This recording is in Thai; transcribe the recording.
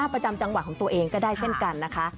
ประจำจังหวัดของตัวเองก็ได้เช่นกันนะคะ